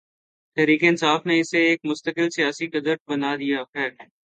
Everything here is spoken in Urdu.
تحریک انصاف نے اسے ایک مستقل سیاسی قدر بنا دیا ہے۔